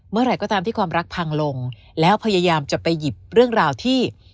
เมื่อไหร่ก็ตามที่ความรักพังลงแล้วพยายามจะไปหยิบเรื่องราวที่